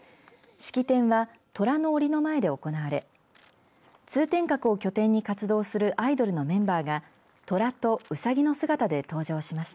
式典は虎のおりの前で行われ通天閣を拠点に活動するアイドルのメンバーが虎とうさぎの姿で登場しました。